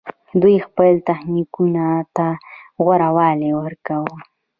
دوی خپل تخنیکونو ته غوره والی ورکاوه